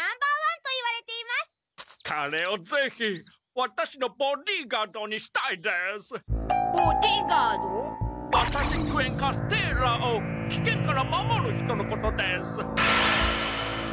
ワタシクエン・カステーラをきけんから守る人のことです。